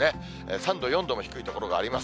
３度、４度も低い所があります。